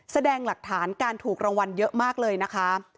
แสดงหลักฐานการถูกรางวัลเยอะมากเลยนะคะ